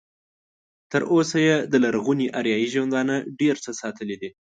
تر اوسه یې د لرغوني اریایي ژوندانه ډېر څه ساتلي دي.